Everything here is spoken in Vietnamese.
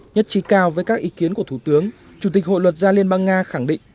nhất trí cao với các ý kiến của thủ tướng chủ tịch hội luật gia liên bang nga khẳng định